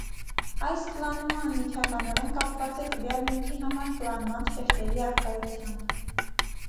Այս կլանումը անմիջականորեն կապված է տվյալ նյութի համար կլանման շերտերի առկայությամբ։